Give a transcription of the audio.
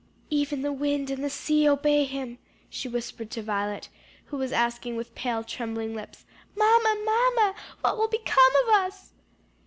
"'Even the wind and the sea obey him,'" she whispered to Violet, who was asking with pale trembling lips, "Mamma, mamma, what will become of us?"